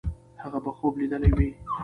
هغه به خوب لیدلی وي.